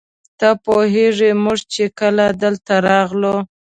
ته پوهېږې موږ چې کله دلته راغلو.